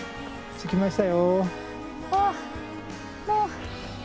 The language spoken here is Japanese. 着きました。